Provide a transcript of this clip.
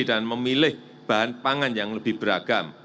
dan memilih bahan pangan yang lebih beragam